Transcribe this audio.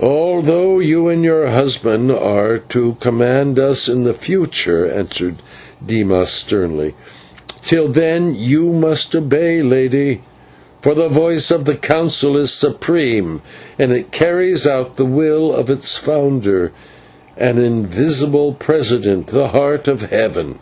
"Although you and your husband are to command us in the future," answered Dimas, sternly, "till then you must obey, Lady, for the voice of the Council is supreme, and it carries out the will of its founder and invisible president, the Heart of Heaven.